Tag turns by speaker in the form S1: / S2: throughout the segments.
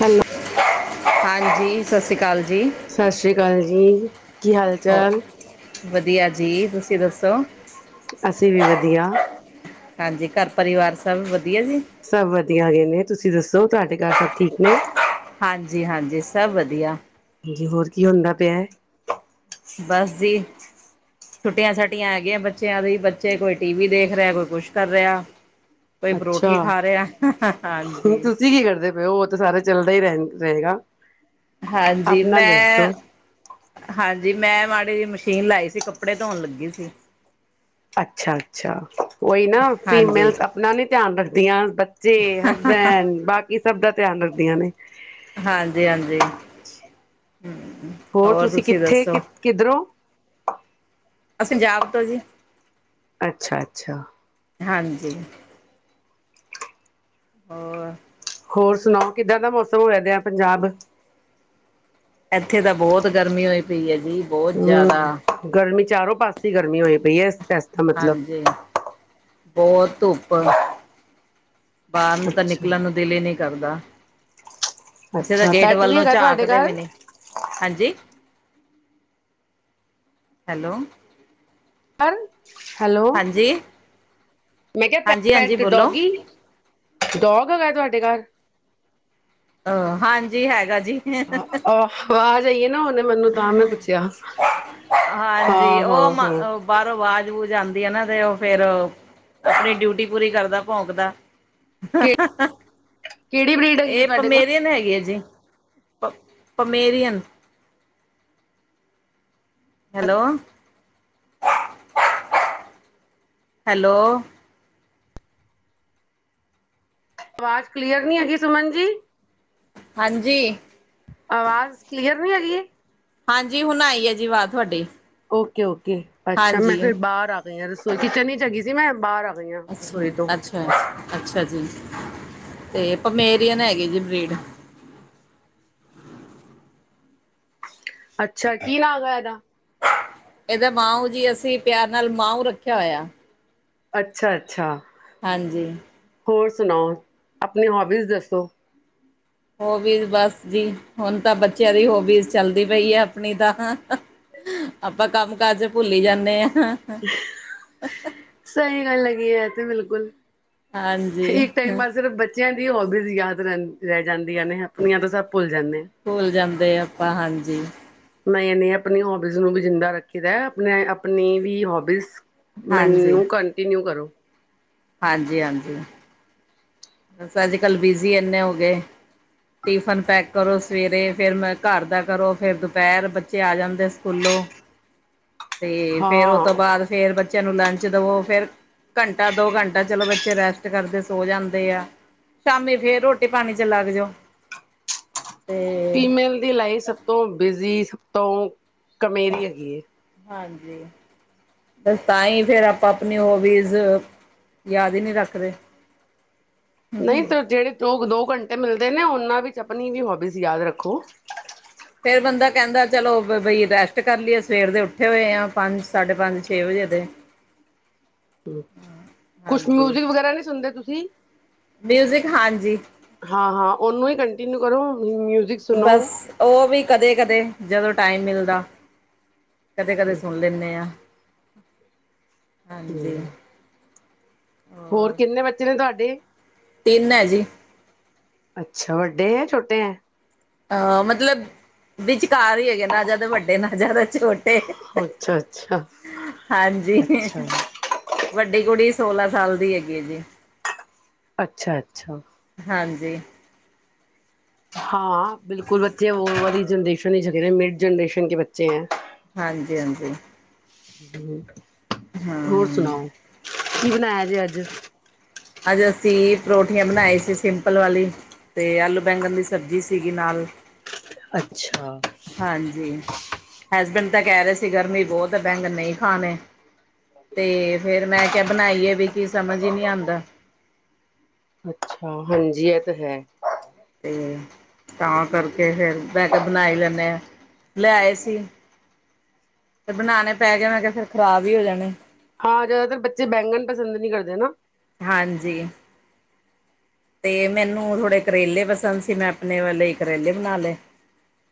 S1: Hello
S2: ਹਾਂਜੀ ਸਤਿ ਸ੍ਰੀ ਅਕਾਲ ਜੀ
S1: ਸਤਿ ਸ੍ਰੀ ਅਕਾਲ ਜੀ ਕੀ ਹਾਲ
S2: ਹੋ
S1: ਚਾਲ
S2: ਵਧੀਆ ਜੀ ਤੁਸੀਂ ਦੱਸੋ
S1: ਅਸੀਂ ਵੀ ਵਧੀਆ
S2: ਹਾਂਜੀ ਘਰ ਪਰਿਵਾਰ ਸਭ ਵ
S1: ਸਭ ਵਧੀਆ ਆ ਨੇ ਤੁਸੀਂ ਦੱਸੋ ਤੁਹਾਡੇ ਯਾਰ ਸਭ ਠੀਕ ਨੇ
S2: ਹਾਂਜੀ ਹਾਂਜੀ ਸਭ ਵਧੀਆ
S1: ਹਾਂਜੀ ਹੋਰ ਕੀ ਹੁੰਦਾ ਪਿਆ
S2: ਬਸ ਜੀ ਛੁੱਟੀਆਂ ਛੁੱਟੀਆਂ ਹੈਗੀਆਂ ਬੱਚਿਆਂ ਦੀ ਬੱਚੇ ਕੋਈ ਟੀ ਵੀ ਦੇਖ ਰਿਹਾ ਕੋਈ ਕੁਛ ਕਰ ਰਿਹਾ ਕੋਈ
S1: ਅੱਛਾ
S2: ਪਰੋਠੀ ਖਾ ਰਿਹਾ ਹਾਂਜੀ
S1: ਤੁਸੀਂ ਕੀ ਕਰਦੇ ਉਹ ਤਾਂ ਸਾਰੇਾ ਚੱਲਦਾ ਹੀ ਰਹਿ ਰਹੇਗਾ
S2: ਹਾਂਜੀ
S1: ਆਪਣਾ
S2: ਮੈਂ
S1: ਦੱਸੋ
S2: ਹਾਂਜੀ ਮੈਂ ਮਾੜ ਮਸ਼ੀਨ ਲਾਈ ਸੀ ਕੱਪੜੇ ਧੋਣ ਲੱਗੀ ਸੀ
S1: ਅੱਛਾ ਅੱਛਾ ਉਹੀ ਨਾ
S2: ਹਾਂਜੀ
S1: ਫੀਮੇਲਸ ਆਪਣਾ ਨੀ ਧਿਆਨ ਰੱਖਦੀਆਂ ਬੱਚੇ ਹਸਬੈਂਡ ਬਾਕੀ ਸਭ ਦਾ ਧਿਆਨ ਰੱਖਦੀਆਂ ਨੇ
S2: ਹਾਂਜੀ ਹਾਂਜੀ
S1: ਹੋਰ ਤੁਸੀਂ ਕਿੱਥੇ ਕਿ ਕਿੱਧਰੋਂ
S2: ਪੰਜਾਬ ਤੋਂ ਜੀ
S1: ਅੱਛਾ ਅੱਛਾ
S2: ਹਾਂਜੀ ਹੋਰ
S1: ਹੋਰ ਸੁਣਾਓ ਕਿੱਦਾਂ ਦਾ ਮੌਸਮ ਹੋਆਦਿਆ ਪੰਜਾਬ
S2: ਇੱਥੇ ਤਾਂ ਬਹੁਤ ਗਰਮੀ ਹੋਈ ਪਈਏ
S1: ਹਮ ਗਰਮੀ ਚਾਰੋਂ ਪਾਸੇ ਗਰਮੀ ਹੋਈ ਪਐੱਸ ਫੈਸ ਦਾ ਮਤਲਬ
S2: ਹਾਂਜੀ ਬਹੁਤ ਧੁੱਪ ਬਾਹਰ ਨੂੰ ਤਾਂ
S1: ਅੱਛਾ
S2: ਨਿਕਲਣ ਨੂੰ ਦਿਲ ਈ ਨੀ ਕਰਦਾ ਅਸੀਂ ਤਾਂ
S1: ਅੱਛਾ
S2: ਗੇਟ
S1: ਪੈਟ
S2: ਵੱਲ
S1: ਵੀ
S2: ਨੂੰ
S1: ਹੈਗਾ ਤੁਹਾਡੇ
S2: ਝਾਕਦੇ ਵੀ
S1: ਘਰ
S2: ਨਹੀਂ ਹਾਂਜੀ ਹੈਲੋ
S1: ਹੈਲੋ
S2: ਹਾਂਜੀ
S1: ਮੈਂ ਕਿਹਾ
S2: ਹਾਂਜੀ ਹਾਂਜੀ
S1: ਪੈਟ
S2: ਬੋਲੋ
S1: ਡੋਗੀ ਡੋਗ ਹੈਗਾ ਤੁਹਾਡੇ ਘਰ
S2: ਅਹ ਹਾਂਜੀ ਹੈਗਾ ਜੀ
S1: ਆਵਾਜ਼ ਜਾਈਏ ਨਾ ਨਾ ਮੈਨੂੰ ਤਾਂ ਮੈਂ ਪੁੱਛਿਆ
S2: ਹਾਂਜੀ
S1: ਹਾਂ ਹਾਂ ਹਾਂ
S2: ਦੀ ਨਾ ਤੇ ਉਹ ਫੇਰ ਆਪਣੀ ਡਿਊਟੀ ਪੂਰੀ ਕਰਦਾ ਭੋਂਕਦਾ
S1: ਕਿਹੜੀ ਬਰੀਡ ਹੈਗੀ ਹੈ
S2: ਇਹ
S1: ਤੁਹਾਡੇ ਕੋਲ
S2: ਪਮੇਰੀਨ ਹੈਗੇ ਆ ਜੀ ਪ ਪਮੇਰੀਅਨ ਹੈਲੋ ਹੈਲੋ
S1: ਆਵਾਜ਼ ਕਲੀਅਰ ਨੀ ਹੈਗੀ ਸੁਮਨ ਜੀ
S2: ਹਾਂਜੀ
S1: ਆਵਾਜ਼ ਕਲੀਅਰ ਨੀ ਹੈਗੀ
S2: ਹਾਂਜੀ ਹੁਣ ਆਈ ਹੈ ਜੀ ਆਵਾਜ਼ ਤੁਹਾਡੀ
S1: ਓਕੇ ਓਕੇ ਓ ਅੱਛਾ ਮੈਂ
S2: ਹਾਂਜੀ
S1: ਫਿਰ ਬਾਹਰ ਆ ਗਈ ਹਾਂ ਸੋ ਕਿਚਨ ਹੀ ਚੱਲੀ ਸੀ ਮੈਂ ਬਾਹਰ ਗਈ ਹਾਂ
S2: ਅੱਛਾ
S1: ਰਸੋਈ ਤੋਂ
S2: ਅੱਛਾ ਅੱਛਾ ਤੇ ਪਮੇਰੀਅਨ ਹੈਗੇ ਜੀ ਬਰੀਡ
S1: ਅੱਛਾ ਕੀ [unintelligible] ਇਹਦਾ।
S2: ਇਹਦਾ ਮਾਂਓ ਜੀ ਅਸੀਂ ਪਿਆਰ ਨਾਲ ਮਾਂਓ ਰੱਖਿਆ ਹੋਇਆ।
S1: ਅੱਛਾ ਅੱਛਾ।
S2: ਹਾਂਜੀ।
S1: ਹੋਰ ਸੁਣਾਓ ਆਪਣੇ ਹੋਬੀਸ ਦੱਸੋ
S2: ਹੋਬੀਜ਼ ਬਸ ਜੀ ਹੁਣ ਤਾਂ ਬੱਚਿਆਂ ਦੀ ਹੋਬੀਜ਼ ਚੱਲਦੀ ਪਈ ਆ ਆਪਣੀ ਤਾਂ ਆਪਾਂ ਕੰਮ ਕਾਜ ਭੁੱਲੀ ਜਾਂਨੇ ਹਾਂ। ਹਾਂ ਹ।
S1: ਸਹੀ ਗੱਲ ਹੈਗੀ ਇਹ ਤੇ ਬਿਲਕੁਲ।
S2: ਹਾਂਜੀ
S1: [unintelligible] ਟਾਈਮਾਂ ਸਿਰਫ ਬੱਚਿਆਂ। ਹੋਬਿਸ ਯਾਦ [unintelligible] ਜਾਂਦੀਆਂ ਨੇ ਆਪਣੀਆਂ ਤਾਂ ਸਭ ਭੁੱਲ ਜਾਂਨੇ ਹਾਂ।
S2: ਭੁੱਲ ਜਾਂਦੇ ਆਪਾਂ ਹਾਂਜੀ
S1: ਮੈਂ ਇਹਨੇ ਆਪਣੀ ਹੋਬੀਜ਼ ਨੂੰ ਵੀ ਜਿੰਦਾ ਰੱਖੀ ਦਾ ਆਪਣੇ ਆਪਣੀ ਵੀ ਹੋਬੀਜ਼।
S2: ਹਾਂਜੀ
S1: ਮੈਨੂੰ ਕੰਟੀਨਿਊ ਕਰੋ।
S2: ਹਾਂਜੀ ਹਾਂਜੀ। [inaudible] ਤੇ ਫੇਰ ਉਹ
S1: ਹਾਂ
S2: ਤੋਂ ਬਾਅਦ ਫੇਰ ਬੇ। ਬੱਚਿਆਂ ਨੂੰ ਲੰਚ ਦੇਵੋ ਫੇਰ ਘੰਟਾ ਦੋ ਘੰਟਾ ਚਲੋ ਬੱਚੇ ਰੈਸਟ ਕਰਦੇ ਸੋ ਜਾਂਦੇ। ਆ ਸ਼ਾਮੀ ਫੇਰ ਰੋਟੀ ਪਾਣੀ ਚ ਲੱਗ ਜਾਓ। ਤੇ
S1: ਫੀਮੇਲ ਦੀ ਲਾਈਫ ਸਭ ਤੋਂ ਬਿਜ਼ੀ। ਤੋਂ। ਕਮੇਰੀ ਹੈਗੀ ਹੈ।
S2: ਹਾਂਜੀ ਬਸ ਤਾਂ ਹੀ ਫਰ ਆਪਾਂ ਆਪਣੀ ਹੋਬੀਜ਼ ਯਾਦ ਹੀ ਨਹੀਂ ਰੱਖ ਰਹੇ।
S1: ਨਹੀਂ ਤਾ ਜਿਹੜੇ ਲੋਕ ਦੋ ਘੰਟੇ ਮਿਲਦੇ ਨੇ ਉਹਨਾਂ। ਵਿੱਚ ਆਪਣੀ ਵੀ ਹੋਬੀਜ਼ ਯਾਦ ਰੱਖੋ।
S2: ਫੇਰ ਬੰਦਾ ਕਹਿੰਦਾ ਚਲੋ ਬਈ ਰੈਸਟ ਕਰ ਲਈਏ ਸਵੇਰ ਦੇ ਉੱਠੇ ਹੋਏ ਆ ਪੰਜ ਸਾਢੇ ਪੰਜ ਛੇ ਵਜੇ ਦੇ ਹ।
S1: ਕੁਛ ਮਿਊਜਿਕ ਵਗੈਰਾ ਨੀ ਸੁਣਦੇ ਤੁਸੀਂ। ਜੀ।
S2: ਮਿਊਜ਼ਿਕ ਹਾਂਜੀ।
S1: ਤਨੂੰ ਕਰੋ। ਮਿਊਜਿਕ ਸੁਣੋ
S2: ਬਸ ਉਹ ਵੀ ਕਦੇ ਕਦੇ। ਜਦੋਂ ਟਾਈਮ ਮਿਲਦਾ। ਕਦੇ ਕਦੇ ਸੁਣ ਲੈਂਨੇ ਆ। [inaudible] ਹਾਂਜੀ।
S1: ਹੂੰ, ਹੋਰ ਕਿੰਨੇ ਬੱਚੇ ਨੇ ਤੁਹਾਡੇ।
S2: ਤਿੰਨ ਹੈ ਜੀ।
S1: ਅੱਛਾ। ਵੱਡੇ ਹੈ, ਛੋਟੇ ਹੈ।
S2: ਅਹ ਮਤਲਬ ਬ ਘਰ ਹੀ ਹੈਗੇ ਨਾ ਜ਼ਿਆਦਾ ਵੱਡੇ ਨਾ ਜ਼ਿਆਦਾ ਰੋਟ
S1: ਅੱਛਾ-ਅੱਛਾ
S2: [inaudible] ਹਾਂਜੀ।
S1: ਅੱਛਾ
S2: ਵੱਡੀ ਕੁੜੀ ਸੋਲਾਂ ਸਾਲ ਦੀ ਹੈਗੀ ਹੈ ਜੀ।
S1: ਅੱਛਾ -ਅੱਛਾ।
S2: ਹਾਂਜੀ।
S1: ਹਾਂ। ਬਿਲਕੁਲ ਬੱਚੇ ਉਹ ਵਾਲੀ ਜਨਰੇਸ਼ਨ ਹੀ ਗ ਮਿਡ ਜਨਰੇਸ਼ਨ ਕੇ ਬੱਚੇ ਹੈ।
S2: ਹਾਂਜ ਹਾਂਜੀ।
S1: ਹਮ। ਹੋਰ ਸੁਣਾਓ। ਕੀ ਬਣਾਇਆ ਜੇ ਅੱਜ
S2: ਅੱਜ ਅਸੀਂ ਪਰੋਠੀਆਂ ਬਣਾਈ ਸੀ ਸਿੰਪਲ ਵਾਲੀ ਤੇ ਆਲੂ ਬੈਗਣ ਦੀ ਸਬਜ਼ੀ ਸੀਗੀ ਨਾਲ।
S1: ਅੱਛਾ।
S2: ਹਾਂਜੀ ਹਸਬੈਂਡ ਤਾਂ ਕਹਿ ਰਹੇ ਸੀ ਗਰਮੀ ਉਹ ਤੇ ਬੈਂਗਨ ਨਹੀਂ ਖਾਣੇ। ਤੇ ਫੇਰ ਮੈਂ ਕਿਹਾ ਬਣਾਈਏ ਵੀ ਕੀ ਸਮਝ ਹੀ ਨਹੀਂ ਆਉਂਦਾ।
S1: ਅੱਛਾ। ਹਾਂਜੀ, ਇਹ ਤਾਂ ਹੈ।
S2: ਤੇ ਤਾਂ ਕਰਕੇ ਫੇਰ ਮੈ ਕੇਹਾ ਬਣਾਈ ਲੈਂਨੇ ਅ ਲਿਆਏ ਸੀ। ਤੇ ਬਣਾਣੇ ਪੈ ਗਏ ਮੈਂ ਕਿਹਾ- ਫਿਰ ਖ਼ਰਾਬ ਹੀ ਹੋ ਜਾਣੇ
S1: ਹਾਂ ਜ਼ਿਆਦਾਤਰ ਬੱਚੇ ਬੈਂਗਣ ਪਸੰਦ ਨਹੀਂ ਕਰਦੇ ਨਾ
S2: ਹਾਂਜੀ ਤੇ ਮੈਨੂੰ ਥੋੜੇ ਕਰੇਲੇ ਪਸੰਦ ਸੀ ਮੈਂ ਆਪਣੇ ਲਈ ਕਰੇਲੇ ਬਣਾ ਲਏ।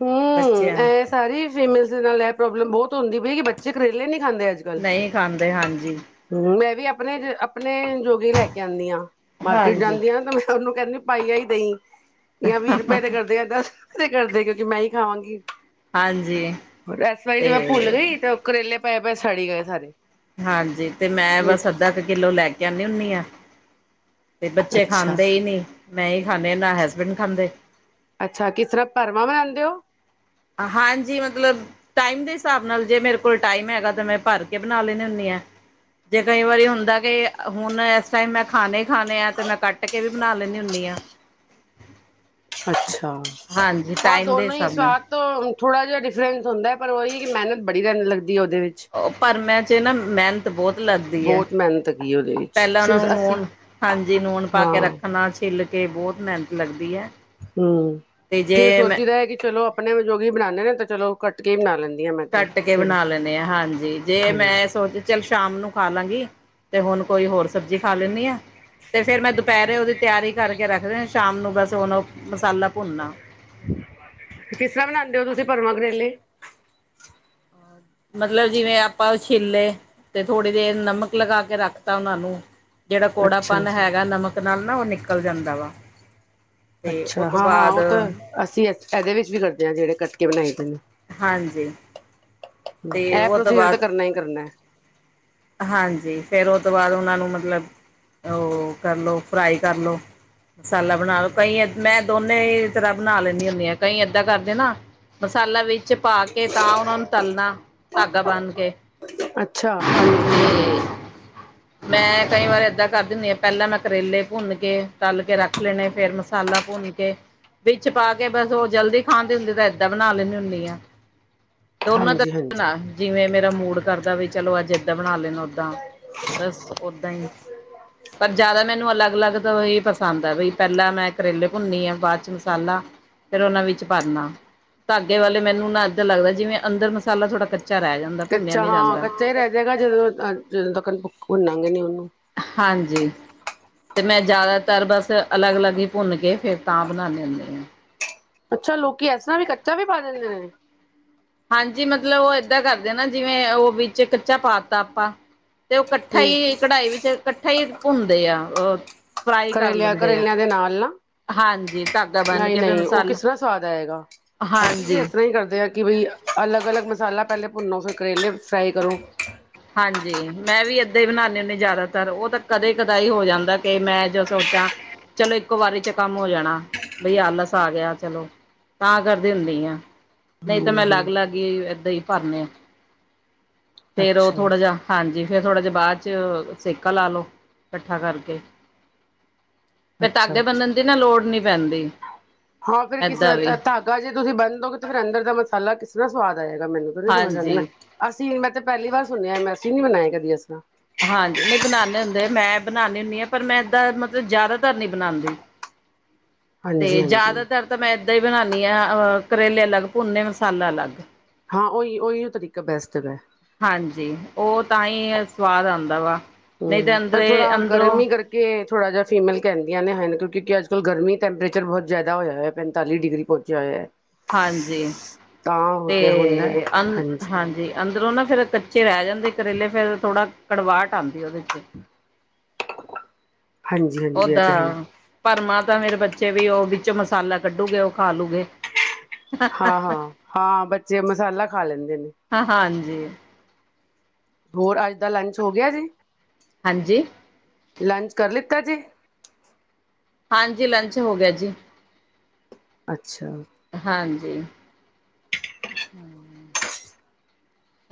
S1: ਹਮ
S2: ਬੱਚਿਆਂ
S1: ਇਹ ਸਾਰੀ ਫੀਮੇਲ ਦੇ ਨਾਲ ਇਹ ਪ੍ਰੋਬਲਮ ਬਹੁਤ ਹੁੰਦੀ ਪਈ ਕਿ ਬੱਚੇ ਕਰੇਲੇ ਨਹੀਂ ਖਾਂਦੇ ਅੱਜ ਕੱਲ
S2: ਨਹੀਂ ਖਾਂਦੇ ਹਾਂਜੀ
S1: ਹ ਵੀ ਆਪਣੇ ਆਪਣੇ ਜੋਗੀ ਲੈ ਕੇ ਆਉਂਦੀ ਹਾਂ। ਮਾਰਕੀਟ
S2: ਹਾਂਜੀ
S1: ਜਾਂਦੀ ਆ ਤੇ ਮੈਂ ਉਹਨੂੰ ਕਹਿੰਦੀ ਪਾਈ ਆਈ ਦਈ। ਜਾਂ ਵੀਹ ਰੁਪਏ ਤੇ ਕਰਦੇ ਆ ਦਸ ਕਰਦੇ ਮੈਂ ਹੀ ਖਾਵਾਂਗੀ।
S2: ਹਾਂਜੀ
S1: ਇਸ ਵਾਰੀ ਜ ਮੈਂ ਭੁੱਲ
S2: ਤੇ
S1: ਗਈ। ਤੇ ਉਹ ਕਰੇਲੇ ਪਏ ਸੜ ਗਏ ਸਾਰੇ
S2: ਹਾਂਜੀ, ਤੇ ਮੈਂ ਬਸ ਅੱਧਾ ਕੁ ਕਿੱਲੋ ਲੈ ਕੇ ਆਨੀ ਐੱਨ ਇਹ ਤੇ ਬੱਚੇ
S1: ਅੱਛਾ
S2: ਖਾਂਦੇ ਹੀ ਨਹੀਂ। ਮੈਂ ਹੀ ਖਾਂਦੇ ਨਾ ਹੈਸਬੈਂਡ ਖਾਂਦੇ।
S1: ਅੱਛਾ ਕਿਸ ਤਰ੍ਹਾਂ ਭਰਵਾਂ ਬਣਾਉਂਦੇ ਹੋ
S2: ਹਾਂਜੀ। ਮਤਲਬ, ਟਾਈਮ ਦੇ ਹਿਸਾਬ ਨਾਲ ਜੇ ਮੇਰੇ ਕੋਲ ਟਾਈਮ ਹੈਗਾ ਤਾਂ ਮੈਂ ਭਰ ਕੇ ਬਣਾ ਲੈਂਦੀ ਹੁੰਦੀ। ਜੇ ਕਈ ਵਾਰੀ ਹੁੰਦਾ ਕਿ ਹੁਣ ਇਸ ਟਾਈਮ ਮੈਂ ਖਾਣੇ ਹੀ ਖਾਣੇ ਆ ਤਾਂ ਮੈਂ ਕੱਟ ਕੇ ਵੀ ਬਣਾ ਲੈਂਦੀ ਹੁੰਦੀ ਹਾਂ।
S1: ਅੱਛਾ
S2: ਹਾਂਜੀ
S1: ਹਾਂ
S2: ਟਾਈਮ ਦੇ
S1: ਦੋਨੋ ਈ
S2: ਹਿਸਾਬ ਨਾਲ
S1: ਸਵਾਦ ਤੋ- ਥੋੜ੍ਹਾ ਜਿਹਾ ਡਿਫਰਸ ਹੁੰਦਾ ਪਰ ਉਹੀ ਕੀ ਮੇਨਤ ਬੜੀ ਜਾਦਾ ਲੱਗਦੀ। ਹੈ ਉਹਦੇ ਵਿੱਚ
S2: ਓ ਪਰ ਮੈਂ ਤੇ ਨਾ ਮੈਨ- ਬੋਤ ਲੱਗਦੀ ਐ।
S1: ਬਹੁਤ ਮਿਹਨਤ ਹੈਗੀ ਉਹਦੇ ਵਿੱਚ
S2: ਪੈਲਾਂ ਉਨਾਂ
S1: ਫਿਰ
S2: ਨੂੰ
S1: ਅਸੀਂ
S2: ਨੂਣ ਹਾਂਜੀ ਨੂਣ ਪਾ ਕੇ
S1: ਹਾਂ
S2: ਰੱਖਣਾ। ਛਿੱਲ ਕੇ ਕਿ ਬੋਤ ਮੇਨਤ ਲੱਗਦੀ ਐ।
S1: ਹੂੰ -ਫਿਰ ਸੋਚੀਦਾ ਐ ਕੀ ਚਲੋ ਆਪਣੇ ਜੋ ਵੀ ਬਣਾਣੇ ਨੇ ਤਾਂ ਚਲੋ ਕੱਟ ਕੇ ਬਣਾ ਲੈਂਦੇ।
S2: ਕੱਟ ਕੇ ਬਣਾ ਲੈਣੇ ਆ ।ਹਾਂਜੀ ਜੇ ਮੈਂ
S1: ਹਾਂਜੀ
S2: ਸੋਚ ਚੱਲ ਸ਼ਾਮ ਨੂੰ ਖਾ ਲਾਂਗੀ। ਤੇ ਹੁਣ ਕੋਈ ਹੋਰ ਸਬਜ਼ੀ ਖਾ ਲੈਂਣੀ ਆ। ਤੇ ਫੇਰ ਮੈਂ ਦੁਪਅਰੇ ਉਦੀ ਤਿਆਰੀ ਕਰਕੇ ਰੱਖਦੇ ਸ਼ਾਮ ਨੂੰ ਬਸ ਉਨੂੰ ਮਸਾਲਾ ਭੁੰਨਨਾ।
S1: ਕਿਸ ਤਰ੍ਹਾਂ ਬਨਾਂਦੇ ਓ ਤੁਸੀਂ ਭਰਮਾਂ ਕਰੇਲੇ।
S2: ਮਤਲਬ ਜਿਵੇਂ ਆਪਾਂ ਛਿੱਲੇ ਤੇ ਥੋੜ੍ਹੀ ਦੇਰ ਨਮਕ ਲਗਾ ਕੇ ਰੱਖਤਾ ਉਨਾਂ ਨੂੰ। ਜਿਹੜਾ
S1: ਅੱਛਾ
S2: ਕੌੜਾਪਨ ਹੈਗਾ ਨਮਕ ਨਾਲ ਨਾ ਓ ਨਿਕਲ ਜਾਂਦਾ ਵਾ। ਤੇ ਉਹ
S1: ਅੱਛਾ
S2: ਤੋਂ
S1: ਹਾਂ ਹਾਂ
S2: ਬਾਅਦ
S1: ਉਹ ਤਾਂ ਅਸੀਂ ਇਦੇ ਵਿੱਚ ਵੀ ਕਰਦੇ ਹਾਂ ਜੇੜੇ ਕੱਟ-
S2: ਹਾਂਜੀ
S1: [unintelligible]
S2: ਤੇ
S1: ਐ
S2: ਉਹ ਤੋਂ
S1: ਪ੍ਰੋਸੀਜਰ ਤੇ
S2: ਬਾਅਦ
S1: ਕਰਨਾ ਈ ਕਰਨਾ।
S2: ਹਾਂਜੀ ਫੇਰ ਓ ਤੋਂ ਬਾਅਦ ਉਨਾਂ ਨੂੰ ਮਤਲਬ ਓ ਕਰਲੋ ਫਰਾਈ ਕਰ ਲੋ। ਮਸਾਲਾ ਬਣਾ ਲਓ ਕਈ ਮੈਂ ਦੋਨੇ ਤਰ੍ਹਾਂ ਬਣਾ ਲੈਂਣੀ ਹੁੰਨੀ ਆ। ਕਈ ਏਦਾਂ ਕਰਦੇ ਨਾ ਮਸਾਲਾ ਵਿੱਚ ਪਾ ਕੇ ਤਾਂ ਉਨਾਂ ਨੂੰ ਤਲਣਾ ਧਾਗਾ ਬੰਨ ਕੇ।
S1: ਅੱਛਾ ਹਾਂਜੀ ਹਾਂਜੀ।
S2: ਤੇ ਮੈਂ ਕਈ ਵਾਰ ਏਦਾਂ ਕਰਦੀ ਹੁੰਨੀ ਆਂ ਪਹਿਲਾ ਮੈਂ ਕਰੇਲੇ ਭੁੰਨ ਕੇ ਤਲ ਕੇ ਰੱਖ ਲੈਣੇ ਫੇਰ ਮਸਾਲਾ ਭੁੰਨ ਕੇ ਵਿੱਚ ਪਾ ਕੇ ਬਸ ਉਹ ਜਲਦੀ ਖਾਂਦੀ ਹੁੰਦੀ ਤਾਂ ਏਦਾਂ ਬਣਾ ਲੈਂਣੀ ਹੁੰਨੀ ਆਂ। ਦੋਨੋਂ
S1: ਹਾਂਜੀ
S2: ਤਰ੍ਹਾਂ
S1: ਹਾਂਜੀ
S2: ਨਾਲ ਬਣਾ ਜਿਵੇਂ ਮੇਰਾ ਮੂਡ ਕਰਦਾ ਵੀ। ਚਲੋ ਅੱਜ ਏਦਾਂ ਬਣਾ ਲੈਣ। ਓਦਾਂ ਬਸ ਓਦਾਂ ਈ ਪਰ ਜਿਆਦਾ ਮੈਨੂੰ ਅਲੱਗ ਅਲੱਗ ਤਰਾਂ ਈ ਪਸੰਦ ਐ। ਬਈ ਪਹਿਲਾ ਮੈਂ ਕਰੇਲੇ ਭੁੰਨਨੀ ਆ ਬਾਅਦ ਚ ਮਸਾਲਾ ਫੇਰ ਉਹਨਾ ਵਿੱਚ ਭਰਨਾ। ਧਾਗੇ ਵਾਲੇ ਮੈਨੂੰ ਨਾ ਏਧਾ ਲੱਗਦਾ ਜਿਵੇਂ ਅੰਦਰ ਮਸਾਲਾ ਥੋੜਾ ਕਚ- ਕਿਆ ਰੈ ਜਾਂਦਾ ਭੁੰਨਿਆ ਨੀ ਜਾਂਦਾ।
S1: ਗਾ ਜਦੋਂ ਜਦੋਂ ਤਕ ਬੁੱਕ ਭੁੰਨਾ- ਭੁੰਨਦੇ ਨੀ ਓਨੂੰ
S2: ਹਾਂਜੀ ਤੇ ਮੈਂ ਜ਼ਿਆਦਾਤਰ ਬਸ ਅਲੱਗ ਅਲੱਗ ਈ ਭੁੰਨ ਕੇ ਫੇਰ ਤਾਂ ਬਣਾਣੀ ਹੁੰਨੀ ਆ।
S1: ਅੱਛਾ ਲੋਕੀ ਏਸ ਤਰ੍ਹਾਂ ਵੀ ਕੱਚਾ ਵੀ ਪਾ ਦਿੰਦੇ ਨੇ।
S2: ਹਾਂਜੀ ਮਤਲਬ ਉਹ ਏਦਾਂ ਕਰਦੇ ਨਾ ਜਿਵੇਂ ਉਹ ਵਿੱਚ ਕੱਚਾ ਪਾ ਤਾਂ ਆਪਾਂ। ਤੇ ਓ ਕੱਠਾ
S1: ਹੂੰ
S2: ਈ ਕਢਾਈ ਵਿੱਚ ਕੱਠਾ ਈ ਭੁੰਨਦੇ ਆ। ਰੋਜ਼
S1: ਕਰੇਲਿਆਂ ਕਰੇਲਿਆਂ ਦੇ ਨਾਲ ਨਾ
S2: ਹਾਂਜੀ ਧਾਗਾ ਬੰਨ
S1: ਨਹੀਂ
S2: ਕੇ ਫਿਰ
S1: ਨਹੀਂ ਉਹ
S2: ਮਸਾਲਾ
S1: ਕਿਸ ਤਰ੍ਹਾਂ ਸਵਾਦ ਆਏਗਾ ਅਸੀਂ ਵੀ
S2: ਹਾਂਜੀ
S1: ਇਸ ਤਰ੍ਹਾਂ ਹੀ ਕਰਦੇ ਹਾਂ ਕਿ ਬਈ। ਅਲੱਗ ਅਲੱਗ ਮਸਾਲਾ ਪਹਿਲੇ ਭੁੰਨ। [unintelligible] ਕਰੇਲੇ ਫਰਾਈ ਕਰੋ।
S2: ਜੀ ਮੈਂ ਵੀ ਏਦਾਂ ਹੀ ਬਣਾਦੀ ਹੁੰਦੀ ਜਿਆਦਾਤਰ ਕਦੇ ਕਦਾਈ ਹੋ ਜਾਂਦਾ ਕਿ ਮੈਂ ਜੋ ਸੋਚਾ ਚਲੋ ਇੱਕੋ ਵਾਰੀ ਚ ਕੰਮ ਹੋ ਜਾਣਾ ਬਈ ਆਲਸ ਆ ਗਿਆ ਚਲੋ ਤਾਂ ਕਰਦੀ ਹੁੰਨੀ ਆ। ਨਹੀਂ ਤਾਂ ਮੈਂ
S1: ਹਮ
S2: ਲੱਗ
S1: ਹਮ
S2: ਲੱਗ ਹੀ [unintelligible] ਭਰਨੇ ਫੇਰ ਉਹ
S1: ਅੱਛਾ
S2: ਥੋੜਾ ਜਿਹਾ ਹਾਂਜੀ। ਫੇਰ ਥੋੜ੍ਹਾ ਜਿਹਾ ਬਾਅਦ ਚ ਸੇਕਾ ਲਾਲੋ ਇਕੱਠਾ ਕਰਕੇ। ਫਿਰ
S1: ਅੱਛਾ
S2: ਧਾਗੇ ਬੰਨਣ
S1: ਅੱਛਾ
S2: ਦੀ ਨਾ ਲੋੜ ਨੀ ਪੈਂਦੀ
S1: ਹਾਂ ਫਿਰ
S2: ਏਦਾਂ
S1: ਕਿਸੇ
S2: ਵੀ
S1: ਧਾਗਾ ਜੇ ਤੁਸੀਂ ਬੰਨਦੋਗੇ ਫਿਰ ਅੰਦਰ ਦਾ ਮਸਾਲਾ ਕਿਸੇ। ਸਵਾਦ। ਹੈਗਾ ਮੈਨੂੰ ਨੀ ਸਮਝ ਆਂਦਾ ਮੈਂ
S2: ਹਾਂਜੀ
S1: ਅਸੀਂ ਮੈਂ ਤੇ ਪਹਿਲੀ ਵਾਰ ਸੁਣਿਆ ਮੈਂ। ਅਸੀ ਨੀ ਬਨਾਏ ਕਦੀ ਇਸ ਤਰ੍ਹਾਂ।
S2: ਹਾਂਜੀ, ਨਹੀਂ ਬਣਾਦੇ ਹੁੰਦੇ ਮੈਂ ਬਣਾਨੀ ਹੁੰਨੀ ਹਾਂ ਪਰ ਮੈਂ ਏਦਾਂ ਮਤਲਬ ਜ਼ਿਆਦਾਤਰ ਨਹੀਂ ਬਣਾਦੀ।
S1: ਹਾਂਜੀ
S2: ਤੇ
S1: ਹਾਂਜੀ
S2: ਜਿਆਦਾਤਰ ਤਾਂ ਮੈਂ ਏਦਾਂ ਹੀ ਬਣਾ। ਅਹ ਕਰੇਲੇ ਅਲੱਗ ਭੁੰਨੇ ਮਸਾਲਾ ਅਲੱਗ।
S1: ਹਾਂ ਉਹੀ-ਉਹੀ ਤਰੀਕਾ ਬੈਸਟ ਹੈਗਾ।
S2: ਹਾਂਜੀ ਉਹ ਤਾਂ ਹੀ ਸਵਾਦ ਆਦਾ ਵਾ। ਨਹੀਂ ਤੇ
S1: ਹੂੰ, ਪਰ
S2: ਅੰਦਰੇ
S1: ਥੋੜਾ
S2: ਅੰਦਰੋਂ
S1: ਗਰਮੀ ਕਰਕੇ ਥੋੜਾ ਜਿਹਾ ਫੀਮੇਲ ਕਹਿੰਦੀਆਂ ਨੇ, ਕਿਉਂਕਿ ਅੱਜ ਕੱਲ ਗਰਮੀ ਟੈਂਪਰੇਚਰ ਬਹੁਤ ਜ਼ਿਆਦਾ ਹੋਇਆ ਹੋਇਆ ਪੈਂਤਾਲੀ ਡਿਗਰੀ ਪਹੁੰਚਿਆ ਐ,
S2: ਹਾਂਜੀ, ਤੇ ਅ ਹਾਂਜੀ ਅੰਦਰੋਂ ਨਾ ਫੇਰ ਕੱਚੇ ਰਹਿ ਜਾਂਦੇ ਕਰੇਲੇ ਫੇਰ ਥੋੜਾ। ਕੜਵਾਟ ਆਦੀ ਉਹਦੇ ਚ।
S1: ਹਾਂਜੀ ਹਾਂਜੀ ਇਹ
S2: ਓਦਾ
S1: ਤਾਂ ਹੈ ਹੀ
S2: ਭਰਮਾਂ ਤਾਂ ਮੇਰੇ ਬੱਚੇ। ਬੱਚੇ ਵੀ ਉਹ ਵਿੱਚ ਮਸਾਲਾ ਕੱਢੂਗੇ ਉਹ ਖਾ ਲੂਗੇ।
S1: ਹਾਂ-ਹਾਂ-ਹਾਂ ਬੱਚੇ ਮਸਾਲਾ ਖਾ ਲੈਂਦੇ ਨੇ।
S2: ਜੀ।
S1: ਹੋਰ ਅੱਜ ਦਾ ਲੰਚ ਹੋ ਗਿਆ ਜੀ।
S2: ਹਾਂਜੀ
S1: ਲੰਚ ਕਰ ਲੀ। ਕਦੇੇ।
S2: ਹਾਂਜੀ, ਲੰਚ ਹੋ ਗਿਆ ਜੀ।
S1: ਅੱਛਾ।
S2: ਜੀ। ਹੂੰ।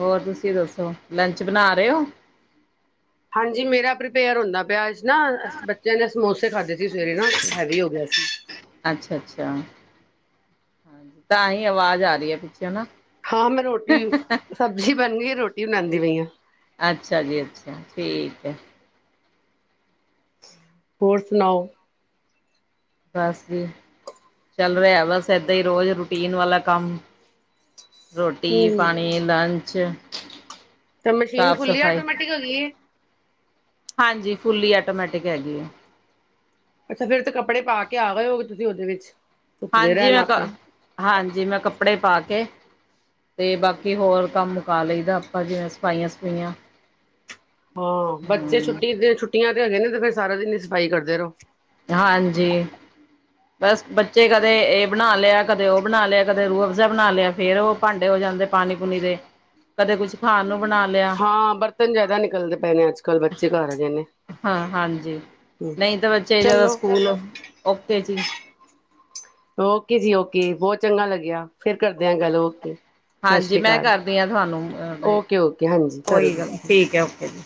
S2: ਹੋਰ ਤੁਸੀਂ ਦੱਸੋ ਲੰਚ ਬਣਾ ਰਹੇ ਹੋ?
S1: ਹਾਂਜੀ ਮੇਰਾ ਪ੍ਰੀਪੇਅਰ ਹੁੰਦਾ ਪਿਆ। ਨਾ ਬੱਚਿਆਂ ਨੇ ਸਮੋਸੇ ਥੇ ਖਾਧੇ ਸੀ ਸਵੇਰੇ ਨਾ ਹੈਵੀ ਹੋ ਗਿਆ ਸੀ।
S2: ਅੱਛਾ, ਅੱਛਾ। ਤਾਂ ਹੀ ਆਵਾਜ਼ ਆ ਰਹੀ ਹੈ ਪਿੱਛੇ ਹਨਾ।
S1: ਹਾਂ, ਮੈਂ ਰੋਟੀ ਸਬਜ਼ੀ ਬਣ ਗਈ ਰੋਟੀ ਬਣ ਦੀ ਪਈ ਐ।
S2: ਅੱਛਾ ਜੀ ਅੱਛਾ [unintelligible]
S1: ਹੋਰ ਸੁਣਾਓ?
S2: ਬਸ ਜੀ ਚੱਲ ਰਿਹਾ, ਬਸ ਏਦਾਂ ਹੀ ਰੋਜ਼ ਰੂਟੀਨ ਵਾਲਾ ਕੰਮ। ਰੋਟੀ,
S1: ਹਮ
S2: ਪਾਣੀ, ਲੰਚ।
S1: ਤਾਂ ਮਸ਼ੀਨ
S2: ਸਾਫ਼
S1: ਫੁੱਲੀ
S2: ਸਫ਼ਾਈ
S1: ਆਟੋਮੈਟਿਕ ਹੈਗੀ ਏ।
S2: ਹਾਂਜੀ, ਫੁੱਲੀ ਆਟੋਮੈਟਿਕ ਹੈਗੀ ਐ।
S1: ਅੱਛਾ, ਫੇਰ ਤੇ ਕੱਪੜੇ ਪਾ ਕੇ ਆ ਗਏ ਹੋਗੇ ਤੁਸੀਂ ਉਹਦੇ ਵਿੱਚ। ਧੁੱਪਦੇ
S2: ਹਾਂਜੀ,
S1: ਰਹਿਣ
S2: ਮੈਂ ਕ
S1: ਆਪੇ
S2: ਹਾਂਜੀ ਮੈਂ ਕੱਪੜੇ ਪਾ ਕੇ ਤੇ, ਬਾਕੀ ਹੋਰ, ਕੰਮ ਮੁਕਾ ਲਈਦਾ, ਆਪਾਂ ਜਿਵੇਂ ਸਫਾਈਆਂ- ਸਫੂਈਆ।
S1: ਹਾਂ। ਬੱਚੇ ਛੁੱਟੀ ਦੇ, ਛੁੱਟੀਆਂ ਹੈਗੇ ਨੇ ਤੇ, ਫਿਰ ਸਾਰਾ ਦਿਨ ਹੀ ਸਫਾਈ ਕਰਦੇ ਰਹੋ।
S2: ਹਾਂਜੀ, ਬਸ ਬੱਚੇ ਕਦੇ ਇਹ ਬਣਾ ਲਿਆ, ਕਦੇ ਉਹ ਬਣਾ ਲਿਆ, ਕਦੇ ਰੂਹ ਅਫਜ਼ਾ ਬਣਾ ਲਿਆ। ਫੇਰ, ਉਹ ਭਾਂਡੇ ਹੋ ਜਾਂਦੇ ਪਾਣੀ- ਪੂਣੀ ਦੇ। ਕਦੇ ਕੁਛ ਖਾਣ ਨੂੰ ਬਣਾ ਲਿਆ
S1: ਹਾਂ, ਬਰਤਨ ਜ਼ਿਆਦਾ ਨਿਕਲਦੇ ਪਏਨੇ, ਅੱਜ -ਕੱਲ ਬੱਚੇ ਘਰ ਹੈਗੇ ਨੇ।
S2: ਤੇ ਜਦੋਂ
S1: ਚਲੋ
S2: ਸਕੂਲ ਓਕੇ। ਜੀ।
S1: ਓਕੇ ਜੀ, ਓਕੇ। ਬਹੁਤ ਚੰਗਾ ਲੱਗਿਆ। ਫੇਰ ਕਰਦੇ ਆ ਗੱਲ ਓਕੇ ਸਤਿ
S2: ਹਾਂਜੀ,
S1: ਸ਼੍ਰੀ
S2: ਮੈਂ
S1: ਅਕਾਲ
S2: ਕਰਦੀ ਹਾਂ, ਤੁਹਾਨੂੰ
S1: ਓਕੇ ਓਕੇ ਹਾਂਜੀ ਕਰੋ
S2: ਕੋਈ ਗੱਲ
S1: ਤੁਸੀਂ
S2: ਠੀਕ ਹੈ। ਓਕੇ ਜੀ।